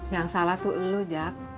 yang salah tuh lo jak